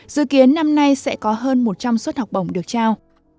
dự kiến năm nay sẽ có hơn một trăm linh suất học bổng được trao